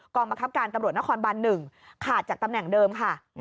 บังคับการตำรวจนครบัน๑ขาดจากตำแหน่งเดิมค่ะ